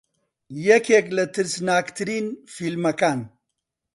یەکێک لە ترسناکترین فیلمەکان